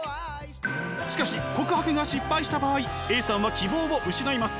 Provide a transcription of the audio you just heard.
しかし告白が失敗した場合Ａさんは希望を失います。